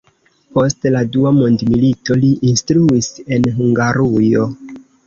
Post la dua mondmilito li instruis en Hungarujo.